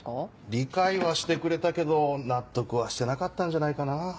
理解はしてくれたけど納得はしてなかったんじゃないかな。